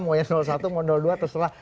mau yang satu mau yang dua terserah